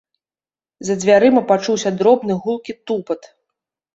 За дзвярыма пачуўся дробны гулкі тупат.